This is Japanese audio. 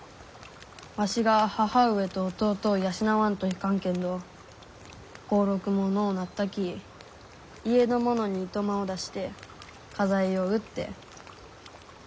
わしが母上と弟を養わんといかんけんど俸禄ものうなったき家の者に暇を出して家財を売って。